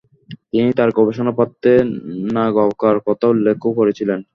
তিনি তার গবেষণাপত্রে নাগাওকার কথা উল্লেখও করেছিলেন।